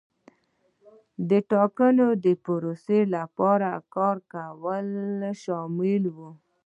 د ټاکنو د پروسې لپاره کار کول شامل وو.